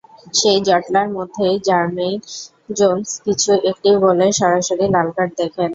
সেই জটলার মধ্যেই Jermaine Jones কিছু একটা বলে সরাসরি লাল কার্ড দেখেন।